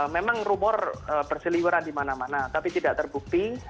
memang rumor berseliweran di mana mana tapi tidak terbukti